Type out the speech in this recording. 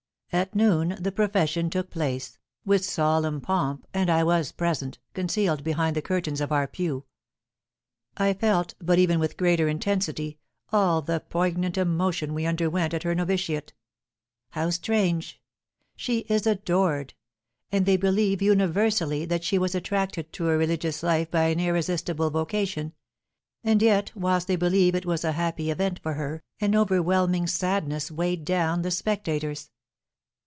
At noon the profession took place, with solemn pomp, and I was present, concealed behind the curtains of our pew. I felt, but even with greater intensity, all the poignant emotion we underwent at her novitiate. How strange! She is adored! And they believe, universally, that she was attracted to a religious life by an irresistible vocation; and yet whilst they believed it was a happy event for her, an overwhelming sadness weighed down the spectators.